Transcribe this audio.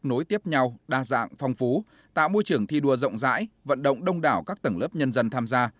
nối tiếp nhau đa dạng phong phú tạo môi trường thi đua rộng rãi vận động đông đảo các tầng lớp nhân dân tham gia